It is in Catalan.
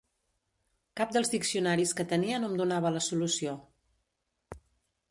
Cap dels diccionaris que tenia no em donava la solució.